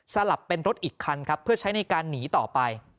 ลับเป็นรถอีกคันครับเพื่อใช้ในการหนีต่อไป